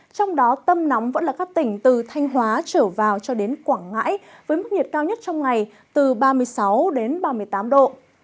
trong đó tâm nóng vẫn là các tỉnh từ thanh hóa trở vào cho đến quảng ngãi với mức nhiệt cao nhất trong ngày từ ba mươi sáu đến ba mươi tám độ